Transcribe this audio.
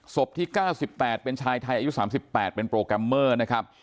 ที่๙๘เป็นชายไทยอายุ๓๘เป็นโปรแกรมเมอร์นะครับ